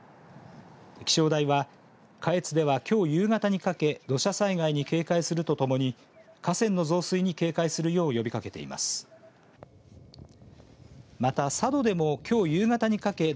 気象台は下越では、きょう夕方にかけ土砂災害に警戒するとともに河川の増水に警戒するよう呼びかけています。